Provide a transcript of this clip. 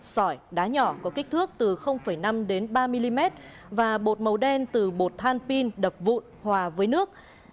sỏi đá nhỏ có kích thước từ năm đến ba mm và bột màu đen từ bột than pin đập vụn hòa với nước